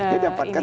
betul dia dapatkan